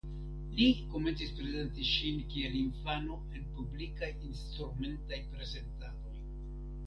Li komencis prezenti ŝin kiel infano en publikaj instrumentaj prezentadoj.